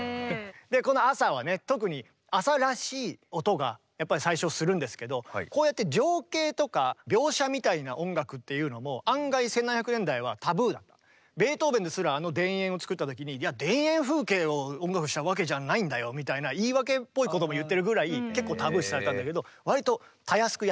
この「朝」はね特に朝らしい音がやっぱり最初するんですけどこうやってベートーベンですらあの「田園」を作った時にいや田園風景を音楽にしたわけじゃないんだよみたいな言い訳っぽいことも言ってるぐらい結構タブー視されたんだけど割とたやすくやってしまってる。